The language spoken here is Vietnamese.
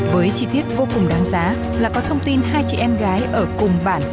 với chi tiết vô cùng đáng giá là có thông tin hai chị em gái ở cùng bản